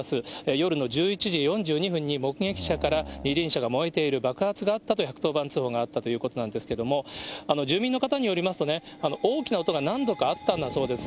夜の１１時４２分に、目撃者から二輪車が燃えている、爆発があったと１１０番通報があったということなんですけれども、住民の方によりますとね、大きな音が何度かあったんだそうです。